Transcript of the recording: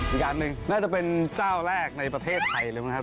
อีกอันหนึ่งน่าจะเป็นเจ้าแรกในประเทศไทยเลยมั้งครับ